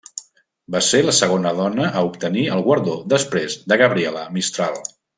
Va ser la segona dona a obtenir el guardó després de Gabriela Mistral.